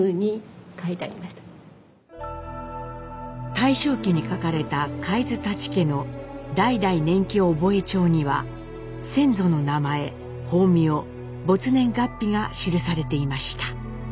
大正期に書かれた海津舘家の「代々年忌覚帳」には先祖の名前法名没年月日が記されていました。